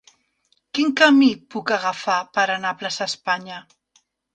Quin camí puc agafar per anar a Plaça Espanya?